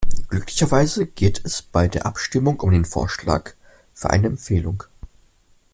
Glücklicherweise geht es bei der Abstimmung um den Vorschlag für eine Empfehlung.